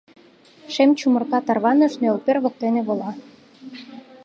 Шем чумырка тарваныш, нӧлпер воктене вола.